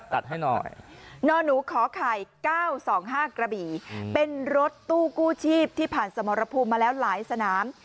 ให้หน่อยนอนหนูขอไข่๙๒๕กระบี่เป็นรถตู้กู้ชีพที่ผ่านสมรภูมิมาแล้วหลายสนาม